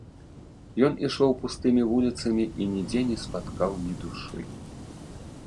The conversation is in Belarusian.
Ён ішоў пустымі вуліцамі і нідзе не спаткаў ні душы.